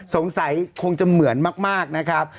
สงสัยคงจะเหมือนมากนะครับ